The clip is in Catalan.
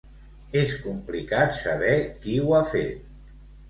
És complicat saber qui ho ha fet?